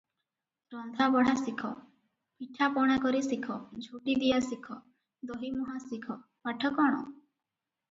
ରନ୍ଧା ବଢ଼ା ଶିଖ, ପିଠାପଣା କରି ଶିଖ, ଝୋଟିଦିଆ ଶିଖ, ଦହିମୁହାଁ ଶିଖ, ପାଠ କ’ଣ?”